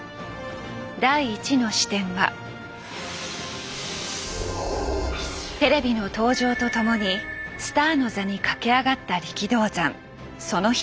第１の視点はテレビの登場と共にスターの座に駆け上がった力道山その人。